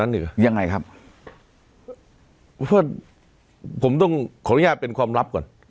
หรือยังไงครับว่าผมต้องขออนุญาตเป็นความลับก่อน